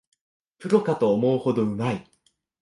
プロかと思うほどうまい